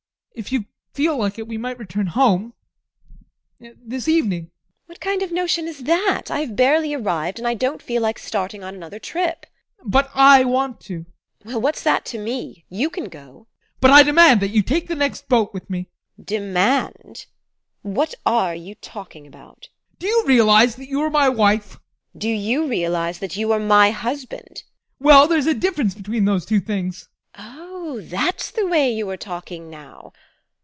If you feel like it, we might return home this evening! TEKLA. What kind of notion is that? I have barely arrived and I don't feel like starting on another trip. ADOLPH. But I want to. TEKLA. Well, what's that to me? You can go! ADOLPH. But I demand that you take the next boat with me! TEKLA. Demand? What are you talking about? ADOLPH. Do you realise that you are my wife? TEKLA. Do you realise that you are my husband? ADOLPH. Well, there's a difference between those two things. TEKLA. Oh, that's the way you are talking now!